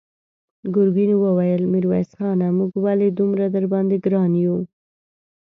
ګرګين وويل: ميرويس خانه! موږ ولې دومره درباندې ګران يو؟